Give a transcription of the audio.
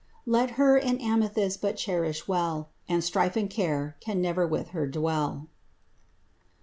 Let her an amethyst but cherish well, And strife and care can never with her dwell.